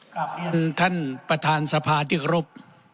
ท่านประธานสภาที่รบ